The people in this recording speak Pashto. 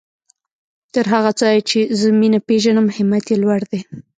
تر هغه ځايه چې زه مينه پېژنم همت يې لوړ دی.